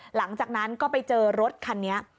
หลังจากนั้นก็ไปเจอรถคันนี้